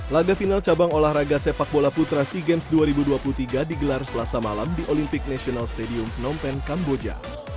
laga final cabang olahraga sepak bola putra sea games dua ribu dua puluh tiga digelar selasa malam di olympic national stadium phnom penh kamboja